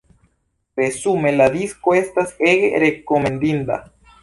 Resume: la disko estas ege rekomendinda!